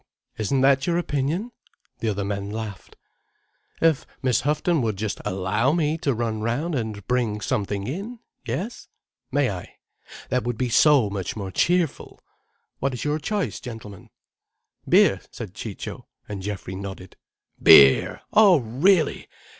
Isn't that your opinion?" The other men laughed. "If Miss Houghton would just allow me to run round and bring something in. Yes? May I? That would be so much more cheerful. What is your choice, gentlemen?" "Beer," said Ciccio, and Geoffrey nodded. "Beer! Oh really!